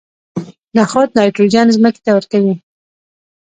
نخود نایتروجن ځمکې ته ورکوي.